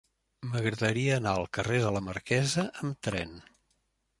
M'agradaria anar al carrer de la Marquesa amb tren.